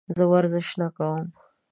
زه ورزش نه کوم.